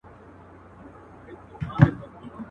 ده آغازه دا وينا په جوش او شور کړه.